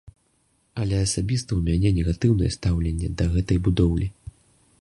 Але асабіста ў мяне негатыўнае стаўленне да гэтай будоўлі.